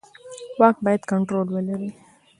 واک باید کنټرول ولري